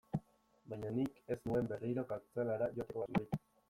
Baina nik ez nuen berriro kartzelara joateko asmorik.